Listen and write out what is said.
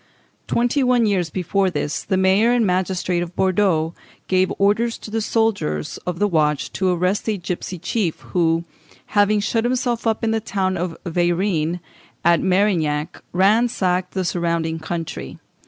Twenty one years before this, the mayor and magistrates of Bordeaux gave orders to the soldiers of the watch to arrest a gipsy chief, who, having shut himself up in the tower of Veyrines, at Merignac, ransacked the surrounding country.